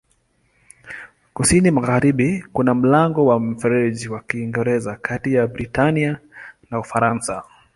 Kusini-magharibi kuna mlango wa Mfereji wa Kiingereza kati ya Britania na Ufaransa.